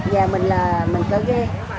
nhà mình là mình có ghen